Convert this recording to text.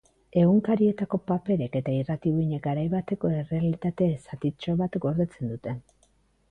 Egunkarietako paperek eta irrati uhinek garai bateko errealitate zatitxo bat gordetzen dute.